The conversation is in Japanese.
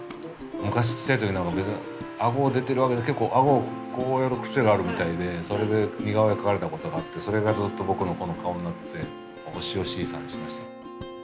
昔ちっちゃいとき何か別に顎が出てるわけじゃ顎をこうやる癖があるみたいでそれで似顔絵描かれたことがあってそれがずっと僕の顔になってて押尾シーサーにしました。